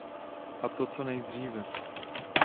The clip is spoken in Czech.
A to co nejdříve!